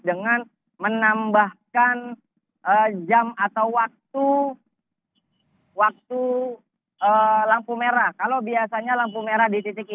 dengan menambahkan jam atau waktu lampu merah